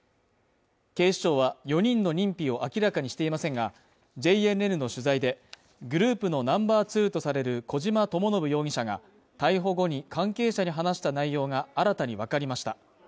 警視庁は４人の認否を明らかにしていませんが、ＪＮＮの取材で、グループのナンバー２とされる小島智信容疑者が逮捕後に関係者に話した内容が新たにわかりました。